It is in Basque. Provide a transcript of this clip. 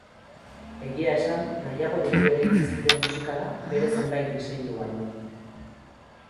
Egia esan, nahiago dugu bere irizpide musikala bere zenbait diseinu baino.